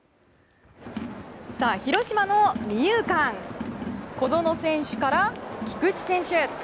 広島の二遊間小園選手から菊池選手。